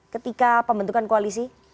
ketika pembentukan koalisi